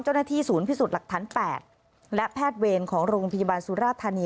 เจ้าหน้าที่ศูนย์พิสูจน์หลักฐาน๘และแพทย์เวรของโรงพยาบาลสุราธานี